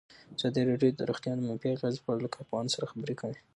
ازادي راډیو د روغتیا د منفي اغېزو په اړه له کارپوهانو سره خبرې کړي.